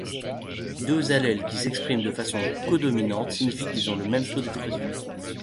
Deux allèles qui s'expriment de façon codominante signifie qu'ils ont le même taux d'expression.